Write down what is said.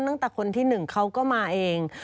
ตั้งแต่คนที่๑เขาก็มาเอง